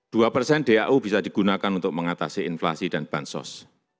dua persen dau bisa digunakan untuk mengatasi inflasi dan bansos